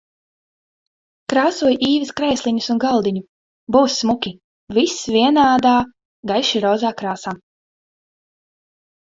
Krāsoju Īves krēsliņus un galdiņu. Būs smuki. Viss vienādā, gaiši rozā krāsā.